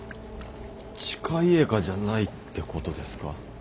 チカイエカじゃないってことですか？